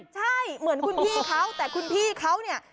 ใช่เหมือนคุณพี่เขาแต่คุณพี่เขาเนี่ย